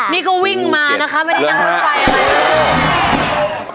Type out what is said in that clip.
นี่ก็วิ่งมานะคะไม่ได้นั่งรถไฟอะไร